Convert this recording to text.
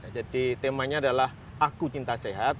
jadi temanya adalah aku cinta sehat